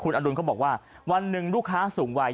คุณอรุณก็บอกว่าวันหนึ่งลูกค้าสูงวัย